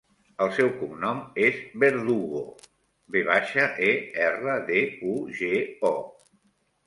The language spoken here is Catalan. El seu cognom és Verdugo: ve baixa, e, erra, de, u, ge, o.